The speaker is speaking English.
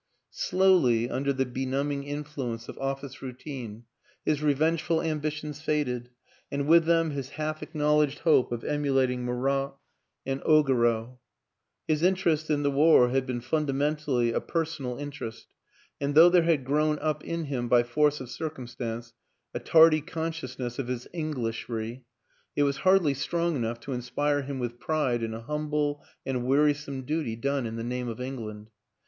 Slowly, under the benumbing influence of office routine, his revengeful ambitions faded, and with them his half acknowledged hope of emulating Murat and Augereau. His interest in the war had been fundamentally a personal interest, and though there had grown up in him, by force of circumstance, a tardy consciousness of his Eng lishry, it was hardly strong enough to inspire him with pride in a humble and wearisome duty done in the name of England.